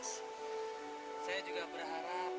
saya juga berharap